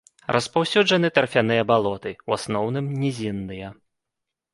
Распаўсюджаны тарфяныя балоты, у асноўным нізінныя.